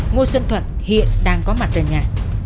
ngo xuân thuận hiện đang có mặt trên nhà